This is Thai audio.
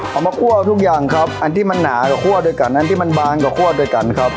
เอามาคั่วทุกอย่างครับอันที่มันหนากับคั่วด้วยกันอันที่มันบางกับคั่วด้วยกันครับ